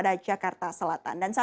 terima kasih banyak